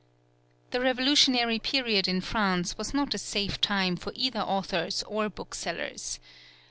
The Revolutionary period in France was not a safe time for either authors or booksellers.